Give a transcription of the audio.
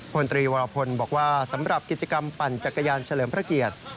พลตรีวรพลบอกว่าสำหรับกิจกรรมปั่นจักรยานเฉลิมพระเกียรติ